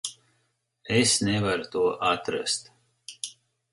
Es nevaru to atrast.